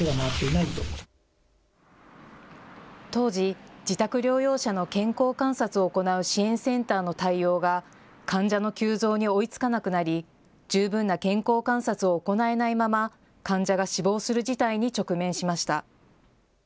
当時、自宅療養者の健康観察を行う支援センターの対応が患者の急増に追いつかなくなり十分な健康観察を行えないまま患者が死亡する事態に直面しました。